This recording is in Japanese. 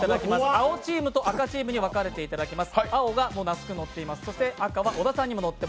青チームと赤チームに分かれていただきます。